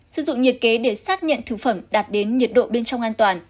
sử dụng nhiệt kế để xác nhận thực phẩm đạt đến nhiệt độ bên trong an toàn